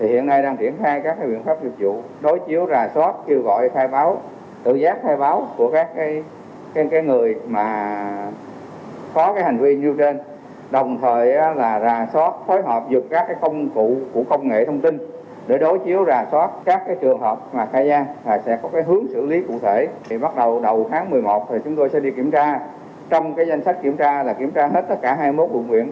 hiện nay đang triển khai các biện pháp dịch vụ đối chiếu rà soát kêu gọi khai báo